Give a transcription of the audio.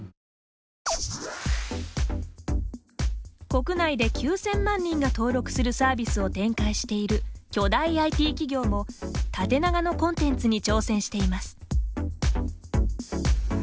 国内で９０００万人が登録するサービスを展開している巨大ＩＴ企業も、縦長のコンテンツに挑戦しています。